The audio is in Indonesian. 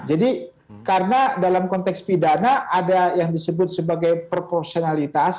jadi karena dalam konteks pidana ada yang disebut sebagai proporsionalitas